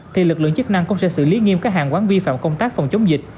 thì lực lượng chức năng cũng sẽ xử lý nghiêm các hàng quán vi phạm công tác phòng chống dịch